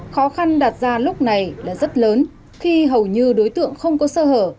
khó khăn đạt ra lúc này là rất lớn khi hầu như đối tượng không có sơ hở